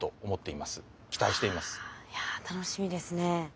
いや楽しみですね。